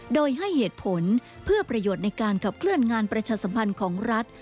โดยให้เหตุผลเพื่อประโยชน์ในการขับเคลื่อนงานประชาสัมพันธ์ของรัฐ